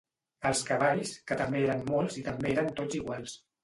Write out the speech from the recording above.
Els cavalls, que també eren molts i també eren tots iguals